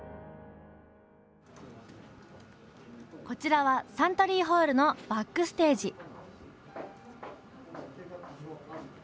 こちらはサントリーホールのバックステージ。